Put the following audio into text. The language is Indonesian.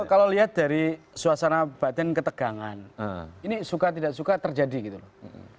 kalau lihat dari suasana batin ketegangan ini suka tidak suka terjadi gitu loh